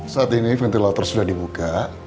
saat ini ventilator sudah dibuka